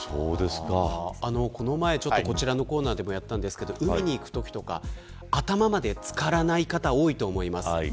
この前こちらのコーナーでもやりましたが、海に行くときとか頭まで漬からない方多いと思います。